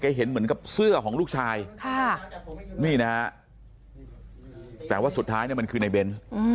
เห็นเหมือนกับเสื้อของลูกชายนี่นะฮะแต่ว่าสุดท้ายเนี่ยมันคือในเบนส์